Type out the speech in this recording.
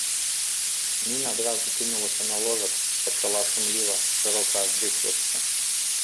Ніна адразу кінулася на ложак, пачала шумліва, шырока аддыхвацца.